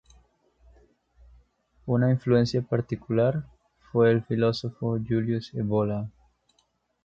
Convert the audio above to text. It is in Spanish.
Una influencia particular fue el filósofo Julius Evola.